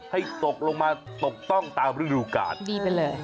ให้ตกลงมาตกต้องตามฤดูกาลดีไปเลย